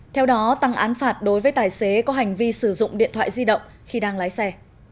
theo đó tăng án phạt đối với tài xế có hành vi sử dụng điện thoại di động khi đang lái xe